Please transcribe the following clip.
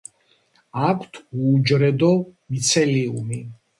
აქვთ უუჯრედო მიცელიუმი.